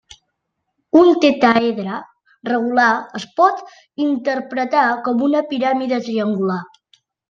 Un tetràedre regular es pot interpretar com una piràmide triangular.